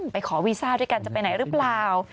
ขอวีซ่าด้วยกันจะไปไหนหรือเปล่า